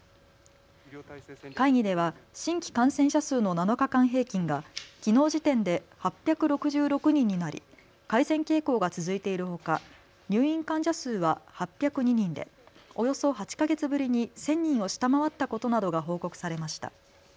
会議では新規感染者数の７日間平均がきのう時点で８６６人になり改善傾向が続いているほか入院患者数は８０２人でおよそ８か月ぶりに１０００人を下回ったことなどが報告されました。